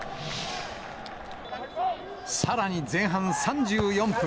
さらに前半３４分。